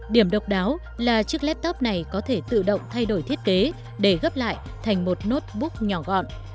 điểm độc đáo là chiếc laptop này có thể tự động thay đổi thiết kế để gấp lại thành một nốt búc nhỏ gọn